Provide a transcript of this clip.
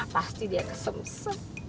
pasti dia kesem sem